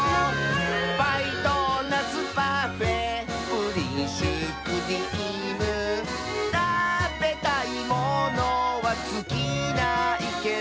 「パイドーナツパフェプリンシュークリーム」「たべたいものはつきないけど」